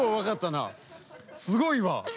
すごいわ！